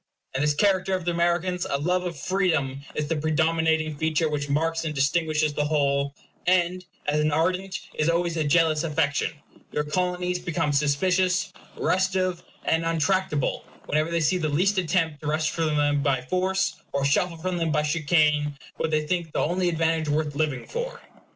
In this character of the Americans, a love of freedom is the predominating feature which marks and distinguishes the whole; and as an ardent is always a jealous affection, your Colonies become suspicious, restive, and untractable whenever they see the least attempt to wrest from them by force, or shuffle from them by chicane, what they think the only advantage worth living for.